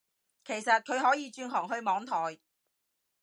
其實佢可以轉行去網台